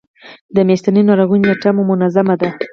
د میاشتنۍ ناروغۍ نیټه مو منظمه ده؟